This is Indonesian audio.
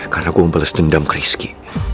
karena gue mau bales dendam ke rizky